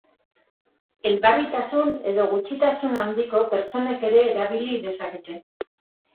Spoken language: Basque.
Elbarritasun edo gutxitasun handiko pertsonek ere erabili dezakete.